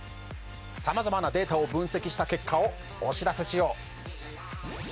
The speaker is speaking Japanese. さまざまなデータを分析した結果をお知らせしよう。